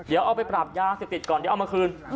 เดี๋ยวเอาไปปรับยาเสพติดก่อนเดี๋ยวเอามาคืน